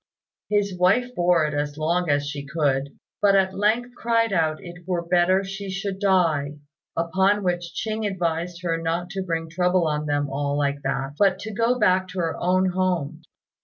His wife bore it as long as she could, but at length cried out it were better she should die; upon which Ching advised her not to bring trouble on them all like that, but to go back to her own home.